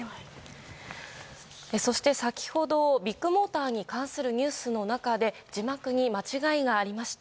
そして先ほどビッグモーターに関するニュースの中で字幕に間違いがありました。